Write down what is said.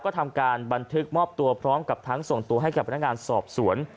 ก็ทำการบันทึกมอบตัวพร้อมกับทั้งส่งตัวให้กับพนักงานสอบสวน